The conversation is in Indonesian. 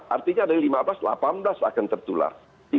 artinya dari lima belas delapan belas akan tertular